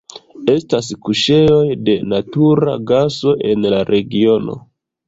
Estas kuŝejoj de natura gaso en la regiono.